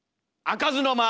開かずの間！